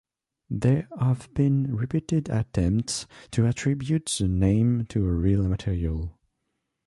There have been repeated attempts to attribute the name to a real material.